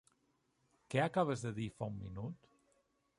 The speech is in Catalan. Què acabes de dir fa un minut?